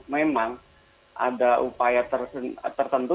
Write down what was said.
memang ada upaya tertentu